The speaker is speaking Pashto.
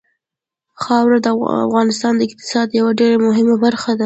خاوره د افغانستان د اقتصاد یوه ډېره مهمه برخه ده.